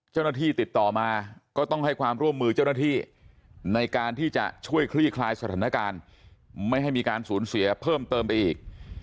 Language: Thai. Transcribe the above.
เจ้าหน้าที่ติดต่อมาก็ต้องให้ความร่วมมือเจ้าหน้าที่ในการที่จะช่วยคลี่คลายสถานการณ์ไม่ให้มีการสูญเสียเพิ่มเติมไปอีก